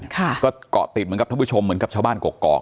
ค่ะก็เกาะติดเหมือนกับท่านผู้ชมเหมือนกับชาวบ้านกรกกอก